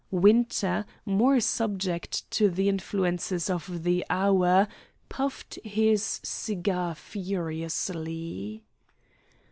Winter, more subject to the influences of the hour, puffed his cigar furiously.